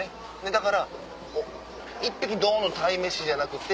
だから１匹ドン！の鯛めしじゃなくて。